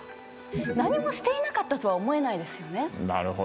何もしていなかったとは思えないですよね。